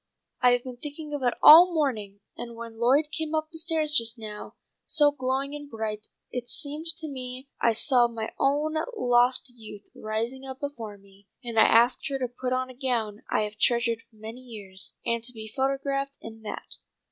I have been thinking of it all morning, and when Lloyd came up the stairs just now, so glowing and bright, it seemed to me I saw my own lost youth rising up before me, and I asked her to put on a gown I have treasured many years, and be photographed in that.